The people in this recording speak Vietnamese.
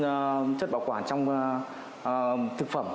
về sử dụng cái chất bảo quản trong thực phẩm